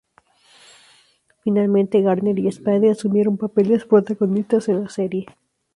Finalmente, Garner y Spade asumieron papeles protagonistas en la serie.